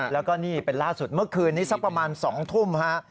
แล้วก็นี่เป็นล่าสุดเมื่อคืนนี้สักประมาณ๒ทุ่มฮะ